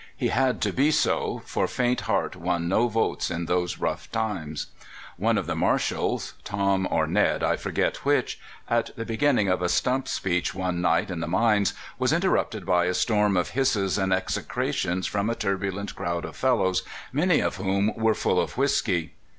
He had to be so, for faint heart won no votes in those rough times. One of the Marshalls (Tom or Ned, I forget which), at the beginning of a stump speech one night in the mines, was interrupted by a storm of hisses and execrations from a turbulent crowd of fellows, many of whom were full of whisky.